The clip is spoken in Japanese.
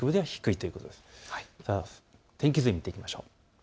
天気図で見ていきましょう。